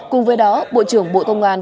cùng với đó bộ trưởng bộ công an